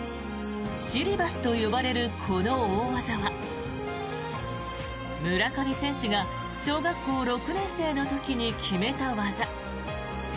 シリバスと呼ばれるこの大技は村上選手が小学校６年生の時に決めた技。